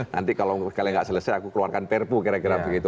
nanti kalau kalian nggak selesai aku keluarkan perpu kira kira begitu